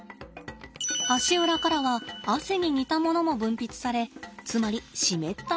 足裏からは汗に似たものも分泌されつまり湿ったプニプニです。